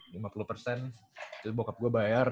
terus bokap gua bayar